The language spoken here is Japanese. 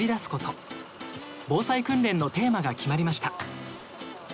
防災訓練のテーマが決まりました。